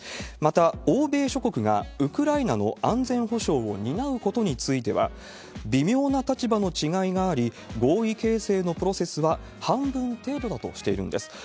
また、欧米諸国がウクライナの安全保障を担うことについては、微妙な立場の違いがあり、合意形成のプロセスは半分程度だとしているんです。